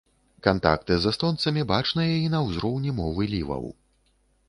Кантакты з эстонцамі бачныя і на ўзроўні мовы ліваў.